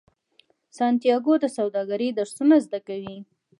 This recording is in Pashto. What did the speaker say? سانتیاګو د سوداګرۍ درسونه زده کوي.